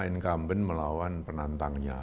incumbent melawan penantangnya